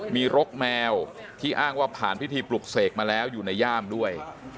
มีรกแมวที่อ้างว่าผ่านพิธีปลุกเสกมาแล้วอยู่ในย่ามด้วย